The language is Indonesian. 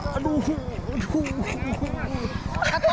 aduh aduh aduh